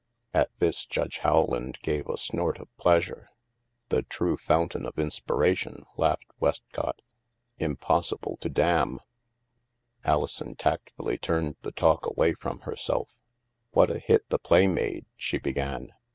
At this, Judge Howland gave a snort of pleasure. "The true fountain of inspiration," laughed .Westcott, " impossible to dam !" HAVEN 317 Alison tactfully turned the talk away from her self. " What a hit the play made," she began.